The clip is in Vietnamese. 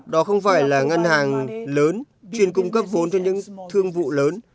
đó không phải là ngân hàng lớn chuyên cung cấp vốn cho những thương vụ lớn